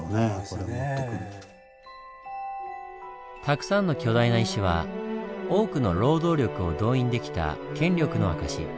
たくさんの巨大な石は多くの労働力を動員できた権力の証し。